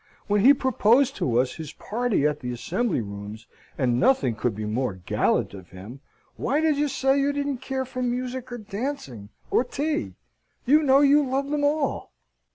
When he proposed to us his party at the Assembly Rooms, and nothing could be more gallant of him, why did you say you didn't care for music, or dancing, or tea? You know you love them all!"